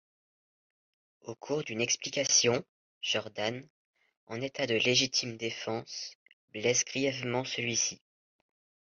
Au cours d'une explication, Jordan, en état de légitime défense, blesse grièvement celui-ci.